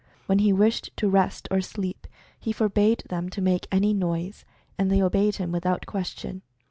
When he wished to rest or sleep, he forbade them to make any noise, and they obeyed him without question.